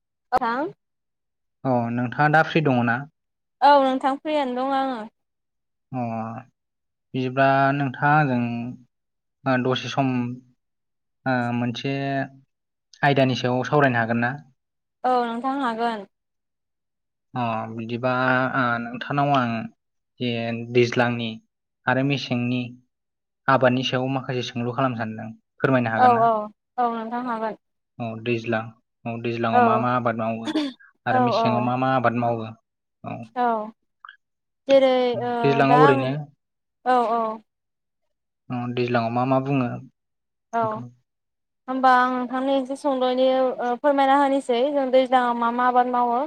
[unintelligible] अ नोंथाङा दा फ्रि दंङ‌‌'ना? औ नोंथां फ्रिआनो दं आङो। अ। बिदिब्ला नोंथांङा आंजों ओ दसे सम ओ मोनसे आयदानि सायाव सावरायनो हागोन ना? औ नोंथां हागोन। अ बिदिबा ओ नोंथांनाव आं दे दैज्लांनि आरो मेसेंनि आबादनि सायाव माखासे सोंलु खालामनो सानदों। फोरमायनो औ हागोन ना? औ औ नोंथां हागोन औ। दैज्लां, औ दैज्लांआव मा मा आबाद मावो औ आरो औ मेसेंआव मा मा आबाद मावो? औ जेरै ओ दा दैज्लाङाव आं ओरैनो औ औ। ओ दैज्लांआव मा मा बुङो? औ होमबा आं नोंथांनो एसे संद'यैनो ओ फोरमायना होनोसै जों दैज्लांङाव मा मा आबाद मावो।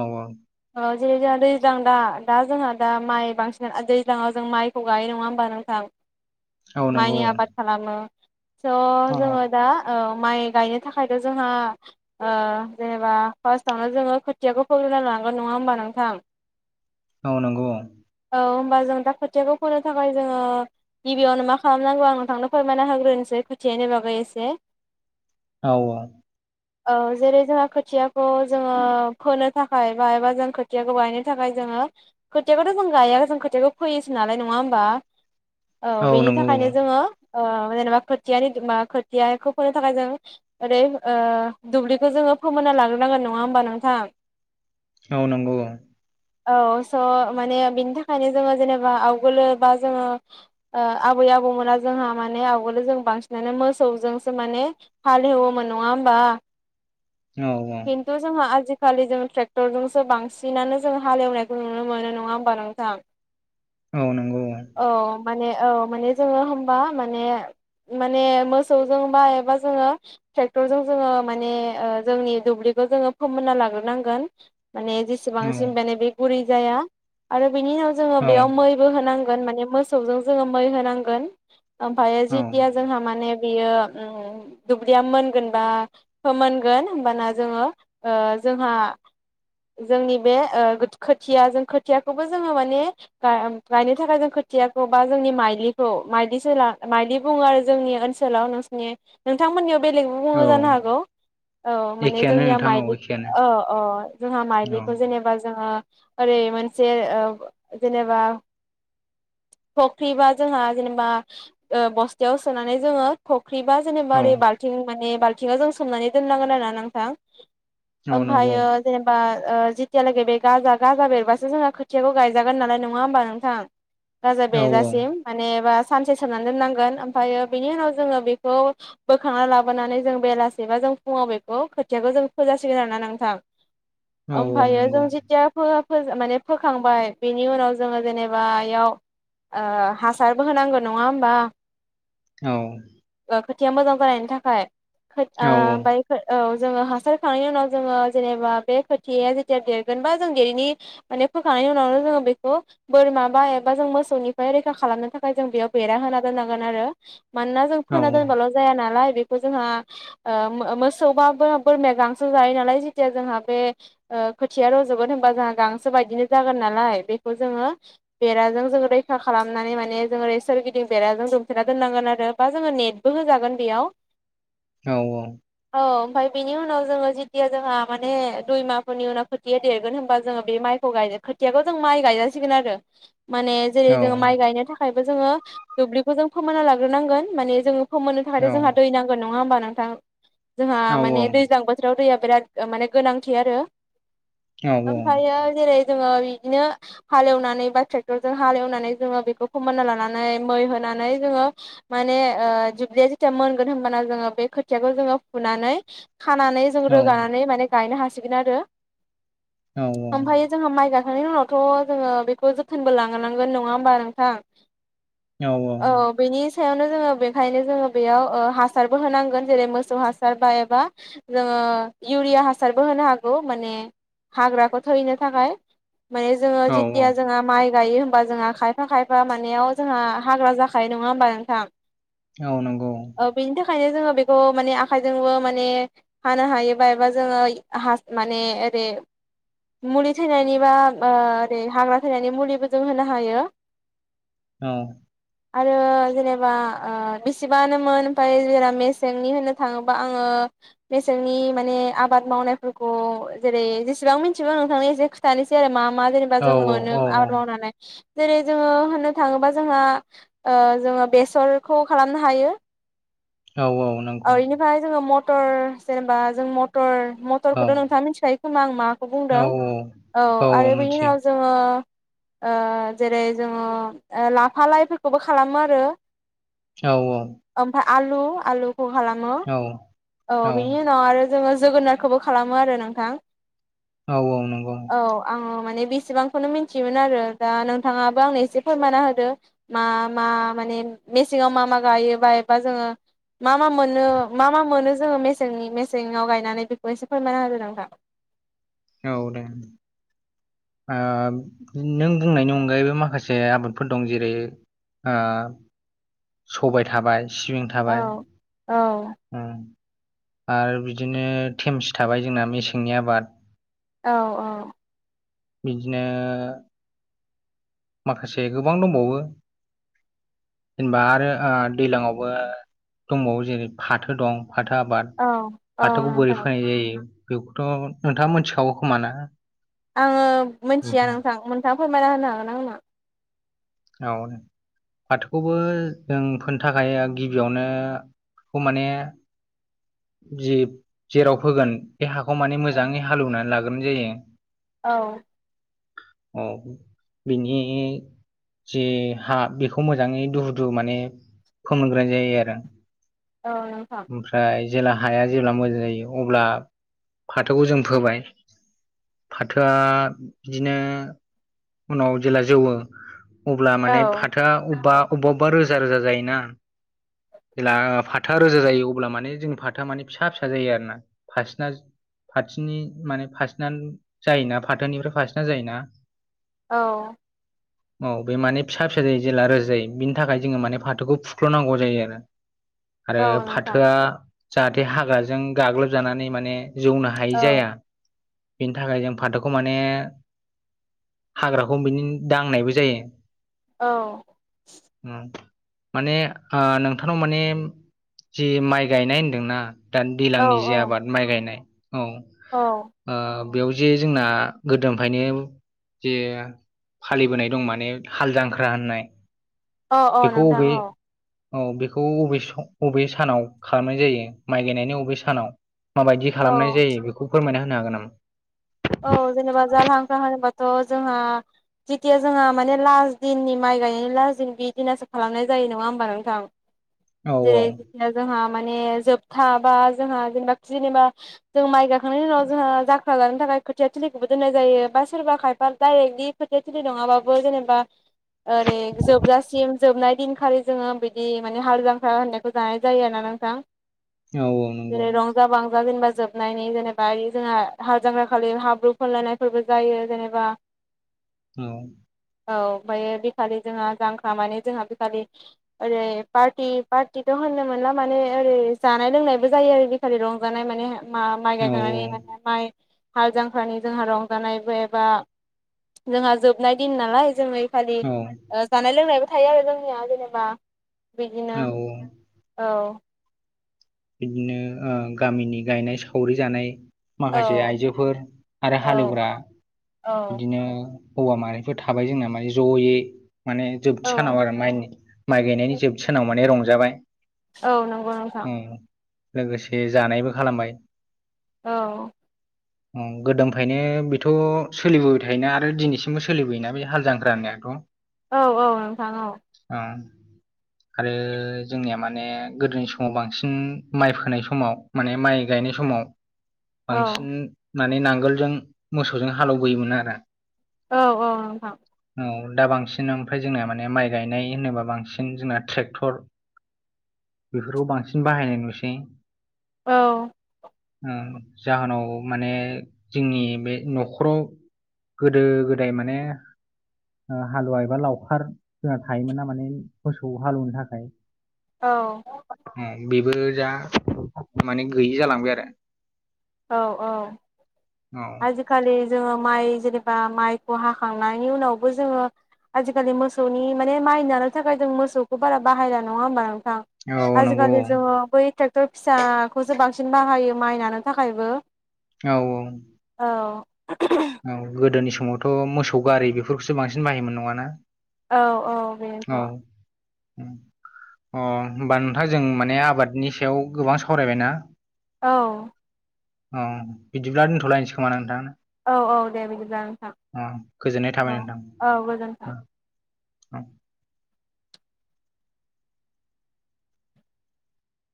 औ औ। ओ जेरै जोंहा दैज्लां दा दा जोंहा दा माइ बांसिना दैज्लांआव जों माइखौ गायो नङा होमबा नोंथां? [inaudible] नंगौ माइनि आबाद खालामो। स' औ जोंङो दा ओ माइ गायनो थाखायथ' जोंङो ओ जेनेबा फार्स्टआवनोआ जोङो खोथियाखौ फोग्रोना ला गौ नङा होमबा नोंथां? औ नोंगौ। औ होमबा जों दा खोथियाखौ फोनो थाखाय जोङो गिबियावनो मा खालामनांगौ आं नोंथांनो फोरमायना होग्रोनोसै। खोथियानि बागै एसे। औ औ। औ जेरै जोंहा खोथियाखौ जोङो फोनो थाखाय बा एबा जों खोथियाखौ गायनो थाखाय जों ङो खोथियाखौ जों गाया जों खोथिाखौ फैयोसो नालाय नङा होमबा औ औ बेनि नंगौ थाखायनो औ जोङो ओ जेनेबा खोथियानि मा खोथियाखौ फोनो थाखाय जों ओरै दुब्लिखौ जोंङो खौ फोमोनना लाग्रोनांगोन नङा होमबा नोंथां? औ नोंगौ। औ स' माने बिनि थाखायनो जोङो जेनेबा आवगोलो बा जोङो ओ आबै आबौमोना जोंहा माने नै आवगोलो जों बांसिनानै मोसौजोंसो माने हालेवोमोन नङा होमबा? औ औ खिथु जोंङा आजि खालि जों ट्रेक्टरजोंसो बांसिनानो जों हालेवनायखौ नुनो मोनो नङा होमबा नोंथां? औ नोंगौ औ। औ माने जोङो होनबा माने माने मोसौजों बा एबा जोङो ट्रेक्टरजों जोङो माने ओ जोंनि दुब्लि खो जोङो फोमोनना लाग्रोनांगोन। माने औ जेसेबांसिम बेनो बे गुरै जाया आरो बिनि उनाव जोङो औ बेयाव मैबो होनां गोन माने मोसौजों जोङो मै होनांगोन, ओमफाय औ जितिया जोंहा माने बेयो उम दुब्लिया मोनगोन बा फोनगोन होमबाना जोङो ओ जोंहा जोंनि बे ओ गोद खोथिया जों खो खोथियाखौबो जोङो माने गायनो ओमफ्राय गायनो थाखाय जों खोथियाखौ बा जोंनि माइलिखौ माइलि सोला माइलि बुङो आरो जोंनि ओनसोलाव नोंसिनि नोंथांमोननियाव बेलेगबो बुङो जानो औ हागौ। औ माने एखेयानो जोंनिया नोंथां औ माइलि एखेयानो अ अ जोंहा औ माइलिखौ जेनेबा जोङो ओरै मोनसे ओ जेनेबा फख्रिबा जोंहा जेनेबा ओ बस्तायाव सोनानै जोङो ख्रिबा औ जेनेबा ओरै बाल्थिं माने बाल्थिंङाव जों सोमनानै दोननांगोन आरो ना नोंथां औ नंगौ ओमफायो जेनेबा ओ जितियालागै बे गाजा- गाजा बेरबासो जोंङो खोथियाखौ गायजागोन नालाय नङा होमबा नोंथां गाजा औ बेर जासिम मानेबा सानसे सोमनानै दोननांगोन ओमफायो बेनि उनाव जोङो बेखौ बोखांना लाबोनानै जों बेलासेबा जो फु-फुङाव बेखौ खोथियाखौ जों फोजासिगोन आरोना नोंथां। औ औ ओमफायो नंगौ जों जितिया फोआ फोज माने फोखांबाय बिनि उनाव जोङो जेनेबायाव ओ हासारबो होनांगो नङा होमबा औ ओ खोथिया मोजां जानायनि थाखाय खोद ओ औ ओफाय खो औ जोङो हासार खांनायनि उनाव जोङो जेनेबा बे खोथिया जेतिया देरगोनबा जों देरनि माने फोखांनायनि उनावनो जोङो बेखौ बोरमा बा एबा जों मोसौनिफ्राय रैखा खालामनो थाखाय जों बेयाव बेरा हो होना दोनांगोन आरो मानोना जों औ फोना नंगौ औ नंगौ औ दोनबाल' जाया नालाय बेखौ जोंआ ओ मो-मोसौ बो-बोरमा गांसो जायो नालाय जितिया जोंहा बे ओ खोथिया रजबोद होनबा जोंङा गां सो बायदिनो जागोन नालाय बेखौ जोङो बेराजों जों रैखा खालामनानै माने जों ओरै सोरगिदिं बेरा जों दुमथेना दोननांगोन आरो बा जोङो नेटबो होजागोन बेयाव। औ औ अ ओमफाय बिनि उनाव जोङो जितिया जोंहा माने दुइमाहफोरनि उनाव खोथिया देरगोन होनबा जोङो बे माइ खौगाय खोथियाखौ जों माइ गायजासिगोन आरो माने जेरै जों माइ गायनो थाखायबो जोङो दुब्लिखौ जों फोमोना लाग्रोनांगोन माने जोङो फोमोननो थाखायथ' जोंहा दै नांगोन नङा होमबा नोंथां जोंहा माने दैज्लां बोथोराव दैया बिराद ओ माने गोनांथि आरो औ औ बे जोङो बिदिनो हलेवनानै बा ट्रेक्टर जों हालेवनानै जोंङो फोमोनना लानानै मैहो होनानै जोंङो माने ओ दुब्लि जितिया मोनगोन होनबाना जों बे खोथियाखो जोङो फुनानै खानानै जों रोगानानै माने गायनो हासिगोन आरो। ओमफायो जोंङो माइ गाखांनायनि उनावथ' जोङो बेखौ जोथोनबो लानांगोन नङा होमबा नोंथां। औ औ सायावनो जोङो बेखायनो जोङो बेयाव ओ हासारबो होनांगोन जेरै मोसौ हासार बा एबा जोङो ओ इउरिया हासार बो होनो हागौ माने हाग्राफोर थैनो थाखाय माने जोङो जितिया जोंहा माइ गायो बा जोंहा खायफा खायफा मानियाव जोंहा हाग्रा जाखायो नङा होमबा नोंथां औ नंगौ ओ बेनि थाखायनो जोङो बेखौ माने आखायजोंबो माने हानो हायोबा एबा जोङो हास माने ओरै [unintelligible] मुलि थैनायनि बा बो ओरै हाग्रा थैनायनि मुलिबो जों होनो हायो औ आरो जेनेबा ओ बेसेबानोमोन ओमफाय जा मेसेंनि होनो थाङोबा आङो [unintelligible] मेसेंनि माने आबाद मावनायफोरखौ जेरै जसेबां मि [unintelligible] बो नोंथांनि एसे खिथानोसै आरो मा मा जेनेबा जों मोनो आबाद मावनानै जेरै जोङो होननो थाङोबा जोंहा ओ जोङो बेसरखौ खालामनो हायो ओ इनिफाय जोङो मटर जेनेबा जों मटर मटरखौथ' नोंथाङा मिथिखायो खोमा आं माखौ बुंदों औ आरो बैनि उनाव जोङो ओ जेरै जोङो ओ लाफा लाइफोरखौबो खालामो आरो औ औ ओमफ्राय आलु आलुखौ खालामो औ औ बिनि उनाव आरो जोङो जोगोनारखोबो खालामो आरो नोंथां औ औ नंगौ औ आङो माने बेसेबांखौनो मिनथियोमोन आरो दा नोंथाङाबो आंनो एसे फोरमानना होदो मा मा माने मेसेंङाव मा मा गायो बा एबा जोङो मा मा मोननो मा मा मोनो जोङो मेसेंनि मेसेंआव गायनानै बेखौ एसे फोरमायना होदो नोंथा औ दों ओ [unintelligible] नों बुंनायनि अनगायैबो माखासे आबादफोर दं जेरै ओ सबाय थाबाय सिबिं औ थाबाय औ उम आरो बिदिनो थेमसि थाबाय जोंना मेसेंनि आबाद औ औ बिदिनो माखासे गोबां दंबावो जेनेबा आरो ओ दैलांआवबो दंबावो जेरै फाथो दं फाथो आबाद औ औ फाथोखौ बोरै नोंथां फोनाय जायो बेखौथ' नोंथाङा मोनथिखागौ खोमाना आङो मोनथिया नोंथां नोंथाङा फोरमायना होनो हागोन आंनो औ फाथोखौबो जों फोनथा गाया गिबियावनो बेखौ माने जि जेराव फोगोन बे हाखौ माने मोजाङै हालौउनानै लाग्रोनाय जायो औ औ बिनि जि हा बेखौ मोजाङै दुहु दुहु माने फोमग्रोनाय जायो आरो ओ नोंथां ओमफ्राय जेला हाया जेला मोजां जायो अब्ला फाथोखौ जों फोबाय फाथोआ बिदिनो उनाव जेला जौवो अब्ला औ माने फाथोआ अबबा अबबाबा रोजा रोजा जायोना जेला फाथोआ रोजा जायो अब्ला माने जोंनि फाथोआ माने फिसा फिसा जायो आरोना फारसेना ज फाथिनि माने फासिना जायोना फाथोनिफ्राय फासिना जायोना औ औ बे माने फिसा फिसा जायो जेला रोजायो बिनि थाखाय जोङो माने फाथोखौ फुख्ल'नांगौ जायो आरो औ आरो नोंथां फाथोआ जाहाथे हाग्राजों गाग्लोबजानानै माने जौनो हायि औ जाया बेनि थाखाय जों फाथोखौ माने हाग्राखौ बिनि दांनायबो ज जायो औ उम माने ओ नोंथांनाव मानेम जि माइ गायनाय होन्दोंना दान औ दैलांनि जे आबाद माइ गायनाय औ औ ओ बेयाव जे जोंना गोदोमफायनो जे फालिबोनाय दं माने हाल जांख्रा होननाय अ अ बेखौ नोंथां अबे औ औ बेखौ अबे स अबे सानाव खालामनाय जायो माइ गायनायनि अबे सानाव माबायदि औ खालामनाय जायो बेखौ फोरमायना होनो हागोन नामा? औ जेनेबा जारलाहांखार होनबाथ' जोंहा जेतिया जोंहा माने लास्ट दिननि माइ गायनायनि लास्ट दिन बि दिनासो खालामनाय जायो नङा होमबा नोंथां औ जेरै जेथिया जोंहाम माने जोबथा बा जोंहा जेनेबा जेनेबा जों माइ गाखांनायनि उनाव जोंहा जाख्रा जानो थाखाय खोथिया थिलिखौबो दोननाय जायो बा सोरबा खायफा डाइरेक्टलि खोथिया थिलि नङाबाबो जेनेबा ओरै जोबजासिम जोबनाय दिन खालि जोङो बिदि माने हाल जांखा होननायखौ जानाय जायो आरोना नोंथां औ औ नंगौ जेरै रंजा बांजा जेनेबा जोबनायनि जेनेबा इ जोंहा हालजांग्राख खालि हाब्रु फुनलायनायफोरबो जायो जेनेबा औ औ ओमफाय बेखालि जोंहा जांख्रा माने जोंहा बेखालि ओरै पार्टि पार्टि दं होननो मोनला माने ओरै जानाय लोंनायबो जायो आरो बेखालि रंजानाय माने मा माइ औ गायखांनायनि माइ हाल जांख्रानि जोंहा रंजानायबो एबा जोंहा जोबनाय दिन नालाय जोंङो खालि औ ओ जानाय लोंनायबो थायो आरो जोंनिया जेनेबा बिदिनो औ औ बिदिनो ओ गामिनि गायनाय सावरि जानाय औ माखासे आइजोफोर आरो औ हालेवग्रा औ बिदिनो हौवा माहारिफोर थाबाय जोंना माने जयै माने जोबथि औ सानाव आरो माइनि माइ गायनायनि जोबथिसानाव माने रंजाबाय औ नंगौ नोंथां उम, लोगोसे जानायबो खालामबाय औ अं गोदोनिफ्रायायनो बेथ' सोलिबोबाय थायोना आरो दिनैसिमबो सोलिबोयोना बे हाल जांख्रा होननायखौ औ औ नोंथां औ आरो जोंनिया माने गोदोनि समाव बांसिन माइ फोनाय समाव माने माइ गायनाय समाव औ बांसिन माने नांगोलजों मोसौजों हालौबोयोमोन आरो औ औ नोंथां दा बांसिन ओमफ्राय जोंनो माने माइ गायनाय होनोबा बांसिन जोंना ट्रेक्टर बेफोरखौ बांसिन बाहायनाय नुसै औ उम जाहोनाव माने जोंनि बे न'खराव गोदो गोदाय माने हालुवा एबा लावखार जोंहा थायोमोन ना माने मोसौ हालौवनो थाखाय औ उम बेबो जा माने गैयि जालांबाय आरो औ औ औ आजिखालि जोंङो माइ जेनेब बा माइखौ हाखांनायनि उनावबो जोंङो आजिखालि मोसौनि माने माइ नानो थाखाय जों मोसौखौ बारा बाहायना नंङा होमबा नो थां औ नंगौ आजखालि जोंङो बै ट्रेक्टर फिसाखौसो बांसिन बाहायो माइ नानो थाखायबो औ औ औ औ गोदोनि समावथ' मोसौ गारि बेफोरखौसो बांसिन बाहायोमोन नङाना औ औ औ बेनोथ' अ होमबा नोंथां जों माने आबादनि सायाव गोबां सावरायबायना औ अ बिदिब्ला दोनथ लायनोसै खोमा नोंथां औ औ दे बिदिब्ला नोंथां [unintelligible] अ गोजोननाय औ थाबाय औ गोजोन्थों नोंथां [inaudible]